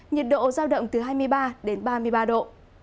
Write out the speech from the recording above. nhiệt độ giao động từ hai mươi ba đến ba mươi ba độ